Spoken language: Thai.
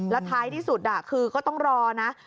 แล้วท้ายที่สุดคือก็ต้องรอนะ